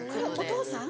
お父さん？